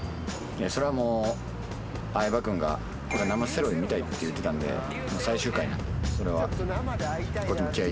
そりゃもう相葉君が生セロイ見たいって言ってたんで最終回なんでそれはこっちも気合入れて。